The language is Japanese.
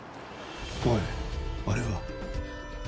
おいあれは？